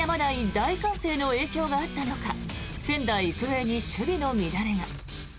大歓声の影響があったのか仙台育英に守備の乱れが。